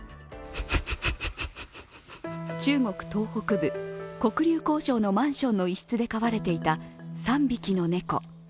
中国東北部黒竜江省のマンションの一室で飼われていた３匹の猫。